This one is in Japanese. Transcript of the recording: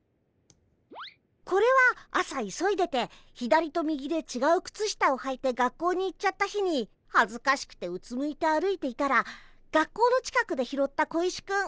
これは朝急いでて左と右でちがう靴下をはいて学校に行っちゃった日にはずかしくてうつむいて歩いていたら学校の近くで拾った小石くん。